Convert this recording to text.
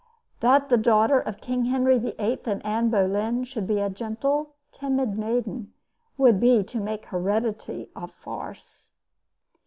That the daughter of Henry VIII. and Anne Boleyn should be a gentle, timid maiden would be to make heredity a farce.